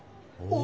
お。